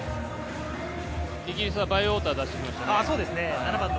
イギリスはバイウォーターを出してきましたね。